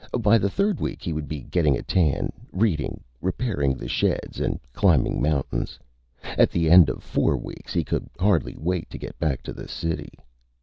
By the third week he would be getting a tan, reading, repairing the sheds and climbing mountains. At the end of four weeks, he could hardly wait to get back to the city.